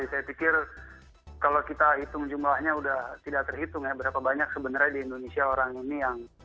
jadi saya pikir kalau kita hitung jumlahnya sudah tidak terhitung ya berapa banyak sebenarnya di indonesia orang ini yang